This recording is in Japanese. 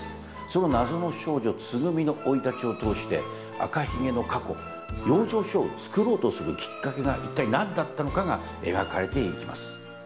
その謎の少女つぐみの生い立ちを通して赤ひげの過去養生所をつくろうとするきっかけが一体何だったのかが描かれていきます。